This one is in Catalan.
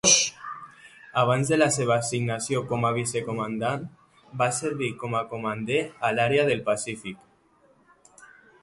Abans de la seva assignació com a vice commandant, va servir com a commander a l'àrea del Pacífic.